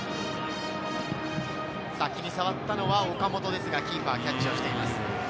先に触ったのは岡本ですがキーパー、キャッチをしています。